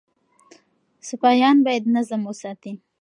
سپایان باید نظم وساتي.